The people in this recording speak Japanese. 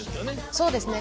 そうですね。